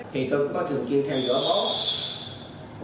thì tôi cũng có thường kiên thêm giữa bố